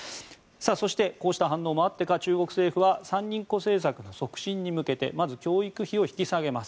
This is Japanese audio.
そして、こうした反応もあってか中国政府は三人っ子政策促進に向けて教育費を引き下げます。